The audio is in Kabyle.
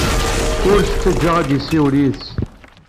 Ur t-ttajja ad yessiwel yid-s.